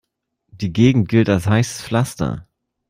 Die Gegend gilt als heißes Pflaster.